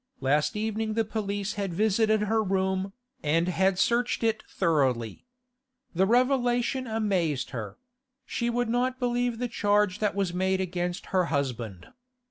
Last evening the police had visited her room, and had searched it thoroughly. The revelation amazed her; she would not believe the charge that was made against her husband.